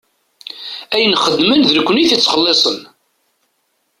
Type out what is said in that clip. Ayen xeddmen d nekkni i t-yettxellisen.